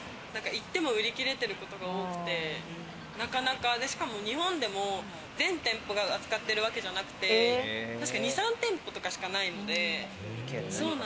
行っても売り切れてることが多くて、なかなか日本でも全店舗が扱ってるわけじゃなくて、確か２３店舗しかないので。